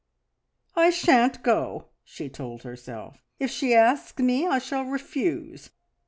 "I shan't go!" she told herself. "If she asks me I shall refuse.